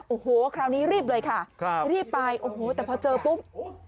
โอ้โหคราวนี้รีบเลยค่ะครับรีบไปโอ้โหแต่พอเจอปุ๊บ